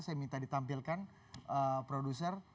saya minta ditampilkan produser